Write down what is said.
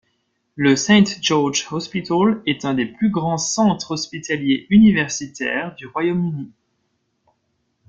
Le St George's Hospital est un des plus grands Centres hospitaliers universitaires du Royaume-Uni.